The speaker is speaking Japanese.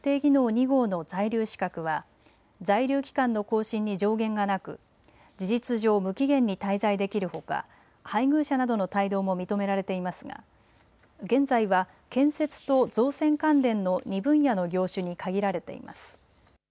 ２号の在留資格は在留期間の更新に上限がなく事実上、無期限に滞在できるほか配偶者などの帯同も認められていますが現在は建設と造船関連の２分野の業種に限られています。